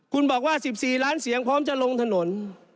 คุณบอกว่า๑๔ล้านเสียงพร้อมจะลงถนน